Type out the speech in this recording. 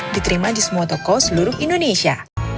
diterima di semua toko seluruh indonesia